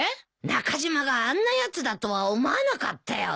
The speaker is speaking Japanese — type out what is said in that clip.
中島があんなやつだとは思わなかったよ。